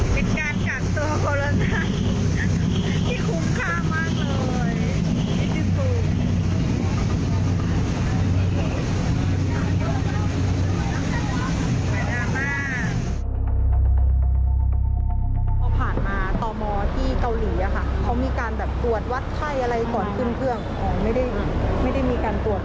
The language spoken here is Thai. วิทยาลัยศาสตร์โฮลโลนัทที่คุ้มค่ามากเลยที่สุด